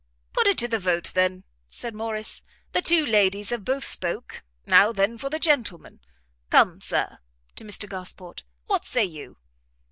"Put it to the vote, then," said Morrice; "the two ladies have both spoke; now, then, for the gentlemen. Come, Sir," to Mr Gosport, "what say you?"